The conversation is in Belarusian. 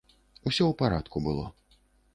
Усё ў парадку было.